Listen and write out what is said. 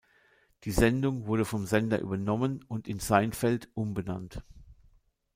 Die Sendung wurde vom Sender übernommen und in "Seinfeld" umbenannt.